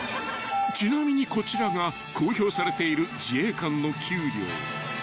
［ちなみにこちらが公表されている自衛官の給料］